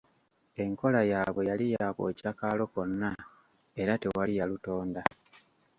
Enkola yaabwe yali ya kwokya kaalo konna era tewali ya lutonda.